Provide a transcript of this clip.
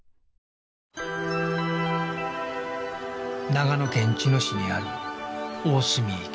長野県茅野市にある大澄池